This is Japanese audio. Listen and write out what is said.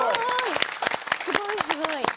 すごい！